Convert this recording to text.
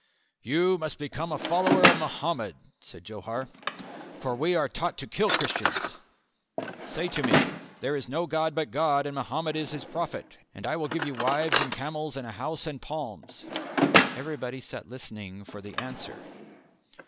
"You must become a follower of Mohammed," said Johar, "for we are taught to kill Christians. Say to me, 'There is no God but God and Mohammed is His prophet' and I will give you wives and camels and a house and palms." Everybody sat listening for the answer.